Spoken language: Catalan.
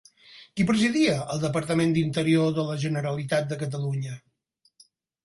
Qui presidia el departament d'Interior de la Generalitat de Catalunya?